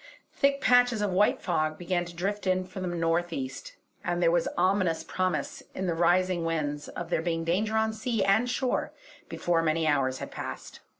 Thick patches of white fog began to drift in from the north east, and there was ominous promise in the rising wind of there being danger on sea and shore before many hours had passed.